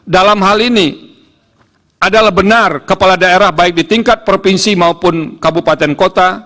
dalam hal ini adalah benar kepala daerah baik di tingkat provinsi maupun kabupaten kota